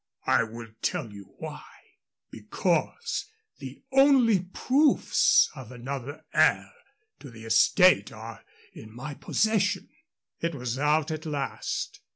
I will tell you why. Because the only proofs of another heir to the estate are in my possession." It was out at last.